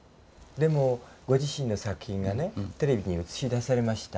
でもご自身の作品がねテレビに映し出されました。